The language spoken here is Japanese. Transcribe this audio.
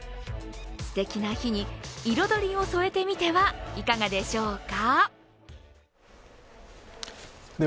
すてきな日に彩りを添えてみてはいかがでしょうか。